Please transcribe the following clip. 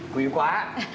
quý quá ạ